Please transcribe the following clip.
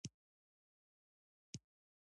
سیندونه د افغان ځوانانو لپاره دلچسپي لري.